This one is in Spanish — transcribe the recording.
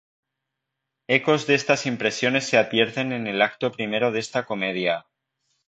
Ecos de estas impresiones se advierten en el acto primero de esta comedia.